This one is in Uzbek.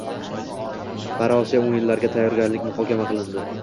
Paraosiyo o‘yinlariga tayyorgarlik muhokama qilinding